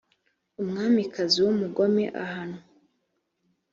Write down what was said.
aumwamikazi w umugome ahanwa